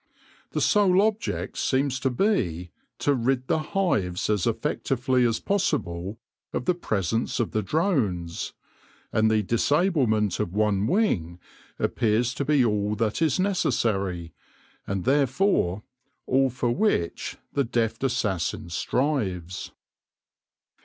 The sole object seems to be to rid the hives as effectively as possible of the presence of the drones ; and the disablement of one wing appears to be all that is necessary, and therefore all for which the deft assassin strives.